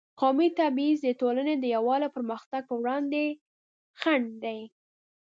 قومي تبعیض د ټولنې د یووالي او پرمختګ پر وړاندې خنډ دی.